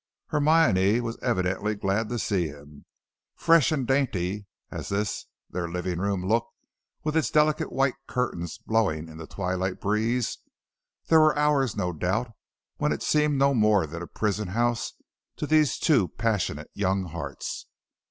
Hermione was evidently glad to see him. Fresh and dainty as this, their living room, looked, with its delicate white curtains blowing in the twilight breeze, there were hours, no doubt, when it seemed no more than a prison house to these two passionate young hearts.